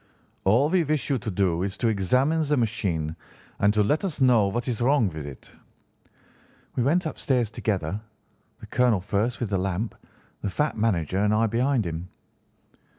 All we wish you to do is to examine the machine and to let us know what is wrong with it.' "We went upstairs together, the colonel first with the lamp, the fat manager and I behind him.